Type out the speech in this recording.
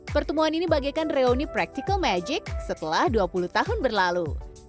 pertemuan ini bagaikan reuni practical magic setelah dua puluh tahun berlalu